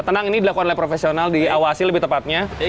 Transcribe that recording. tenang ini dilakukan oleh profesional diawasi lebih tepatnya